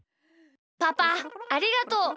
パパありがとう！